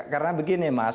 karena begini mas